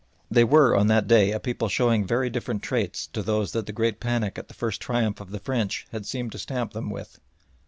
They were on that day a people showing very different traits to those that the great panic at the first triumph of the French had seemed to stamp them with.